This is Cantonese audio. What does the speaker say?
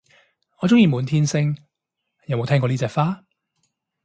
我鍾意滿天星，有冇聽過呢隻花